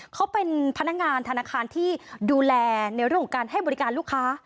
เขาเป็นพนักงานธนาคารที่ดูแลในเรื่องของการให้บริการลูกค้า